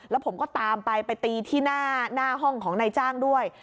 แล้วผมก็ตามไปไปตีที่หน้าห้องของนายจ้างด้วย